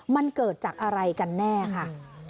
มันเกิดจากอะไรกันแน่ค่ะ